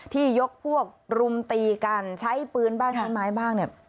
ยกพวกรุมตีกันใช้ปืนบ้างใช้ไม้บ้างเนี่ย